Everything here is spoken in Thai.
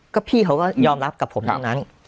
ก็พี่เขาก็ยอมรับกับผมทั้งนั้น